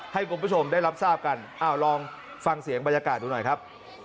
ให้คุณผู้ชมได้รับทราบกันอ้าวลองฟังเสียงบรรยากาศดูหน่อยครับ